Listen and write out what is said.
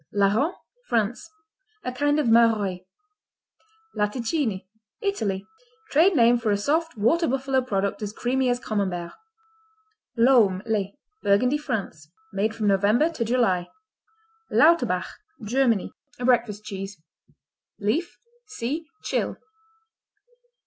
Larron France A kind of Maroilles. Latticini Italy Trade name for a soft, water buffalo product as creamy as Camembert. Laumes, les Burgundy, France Made from November to July. Lauterbach Germany Breakfast cheese Leaf see Tschil.